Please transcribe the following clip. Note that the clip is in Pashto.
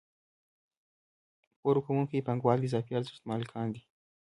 پور ورکوونکي پانګوال د اضافي ارزښت مالکان دي